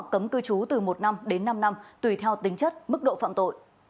cấm cư trú từ một năm đến năm năm tùy theo tính chất mức độ phạm tội